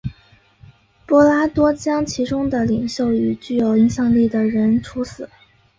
彼拉多将其中的领袖与具有影响力的人处死。